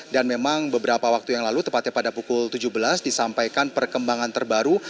dan memang beberapa waktu yang lalu tepatnya pada pukul tujuh belas disampaikan perkembangan terbaru